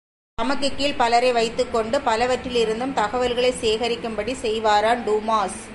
தமக்குக் கீழ் பலரை வைத்துக் கொண்டு, பலவற்றிலிருந்தும் தகவல்களைச் சேகரிக்கும்படி செய்வாராம் டூமாஸ்.